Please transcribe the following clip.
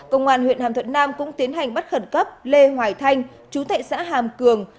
công an huyện hàm thuận nam cũng tiến hành bắt khẩn cấp lê hoài thanh chú thệ xã hàm cường